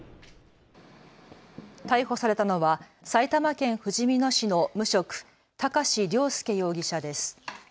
逮捕されたのは埼玉県ふじみ野市の無職、高師良介容疑者です。